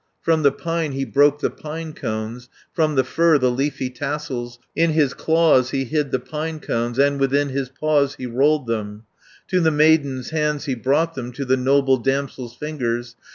240 "From the pine he broke the pine cones, From the fir the leafy tassels, In his claws he hid the pine cones, And within his paws he rolled them, To the maiden's hands he brought them, To the noble damsel's fingers.